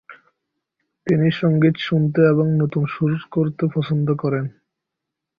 তিনি সঙ্গীত শুনতে এবং নতুন সুর তৈরি করতে পছন্দ করেন।